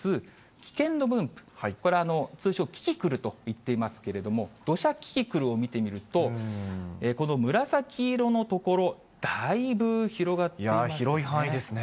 危険度分布、これ、通称、キキクルといっていますけれども、土砂キキクルを見てみると、この紫色の所、だいぶ広がっていますね。